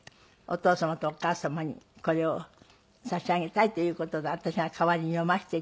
お父様とお母様にこれを差し上げたいという事で私が代わりに読ませて頂きます。